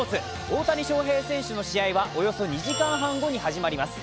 大谷翔平選手の試合はおよそ２時間半後に始まります。